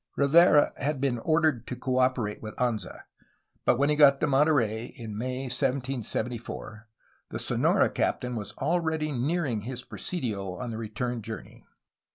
Rivera had been ordered to cooperate with Anza, but when he got to Monterey, in May 1774, the Sonora captain was already ne^ring his presidio on the return journey.